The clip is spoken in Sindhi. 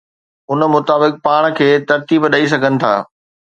ان مطابق پاڻ کي ترتيب ڏئي سگھن ٿا.